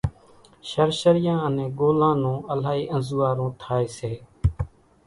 شرشريان انين ڳولان نون الائِي انزوئارون ٿائي سي۔